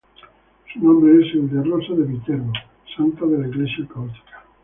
Su nombre es el de "Rosa de Viterbo", santa de la Iglesia católica.